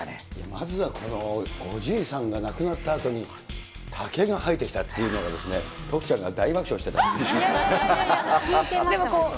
まずはこのおじいさんが亡くなったあとに、竹が生えてきたっていうのがですね、徳ちゃんが大爆笑してた。